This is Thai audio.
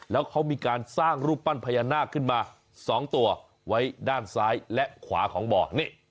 แล้วเขามีการสร้างรูปปั้นพญานาคขึ้นมา๒ตัวไว้ด้านซ้ายและขวาของบ่อนี่